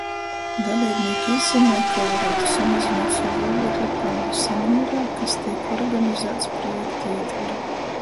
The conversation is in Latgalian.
Daleibnīki izzynoj, kai varātu samazynuot sovu ūglekļa pādu, seminarā, kas teik organizāts projekta ītvorā.